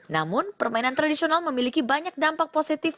namun permainan tradisional memiliki banyak dampak positif